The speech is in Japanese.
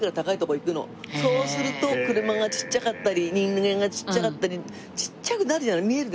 そうすると車がちっちゃかったり人間がちっちゃかったりちっちゃくなるじゃない見えるでしょ。